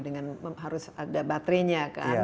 dengan harus ada baterainya kan